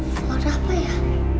for apa ya